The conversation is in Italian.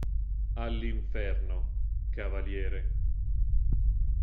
All'inferno, cavaliere!